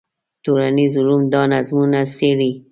ټولنیز علوم دا نظمونه څېړي.